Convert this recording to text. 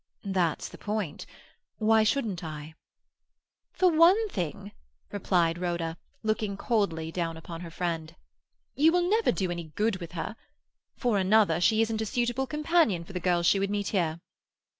"That's the point. Why shouldn't I?" "For one thing," replied Rhoda, looking coldly down upon her friend, "you will never do any good with her. For another, she isn't a suitable companion for the girls she would meet here."